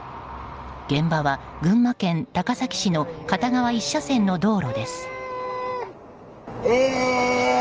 現場は群馬県高崎市の片側１車線の道路です。